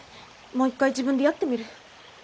もう一回自分でやってみる。